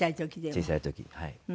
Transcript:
小さい時はい。